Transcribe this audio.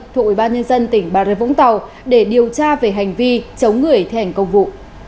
thuộc ủy ban nhân dân tỉnh bà rệt vũng tàu để điều tra về hành vi chống người thể hành công vụ